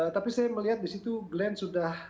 tapi saya melihat di situ glenn sudah